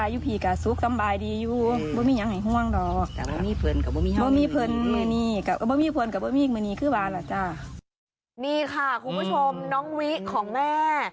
นี่ค่ะคุณผู้ชมน้องวิของแม่